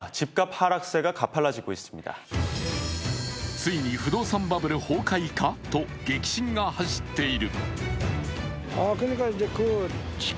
ついに不動産バブル崩壊かと激震が走っている。